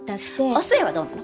お寿恵はどうなの？